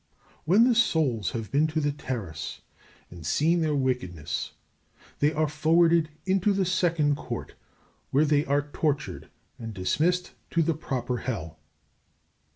When the souls have been to the Terrace and seen their wickednesses, they are forwarded into the Second Court, where they are tortured and dismissed to the proper hell.